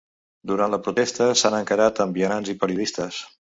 Durant la protesta, s’han encarat amb vianants i periodistes.